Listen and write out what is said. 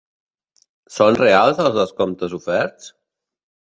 Són reals els descomptes oferts?